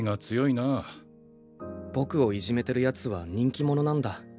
僕をいじめてるやつは人気者なんだ。